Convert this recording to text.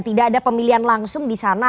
tidak ada pemilihan langsung disana